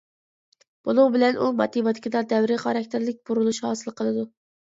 بۇنىڭ بىلەن ئۇ ماتېماتىكىدا دەۋرى خاراكتېرلىك بۇرۇلۇش ھاسىل قىلىدۇ.